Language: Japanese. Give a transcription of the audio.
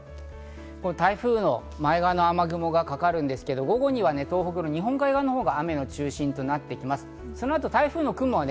台風の前側の雨雲がかかるんですが、午後には東北の日本海側には雨の中心となってきます。